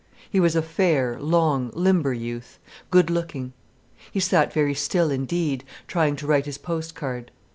He was a fair, long, limber youth, good looking. He sat very still indeed, trying to write his post card.